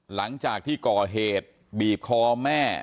หลังจากที่ก่อเหตุบีบคอแม่